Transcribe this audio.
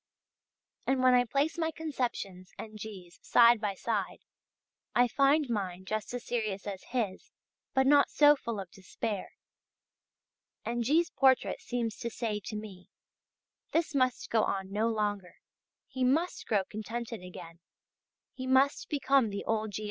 And when I place my conceptions and G's. side by side, I find mine just as serious as his but not so full of despair. And G's. portrait seems to say to me: this must go on no longer, he must grow contented again, he must become the old G.